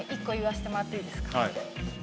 はい。